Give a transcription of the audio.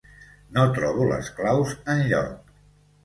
No trobo les claus enlloc